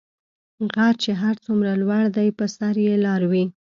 غر چی هر څومره لوړ دي په سر یي لار وي .